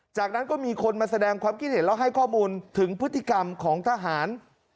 จากนั้นก็มีคนมาแสดงความคิดเห็นแล้วให้ข้อมูลถึงพฤติกรรมของทหาร